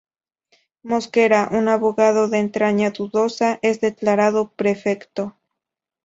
Mosquera, un abogado de entraña dudosa es declarado prefecto.